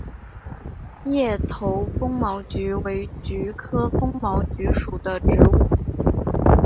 叶头风毛菊为菊科风毛菊属的植物。